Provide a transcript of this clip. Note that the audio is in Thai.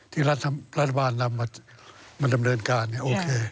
ที่รัฐบาลนำมาดำเนินการเนี่ยโอเค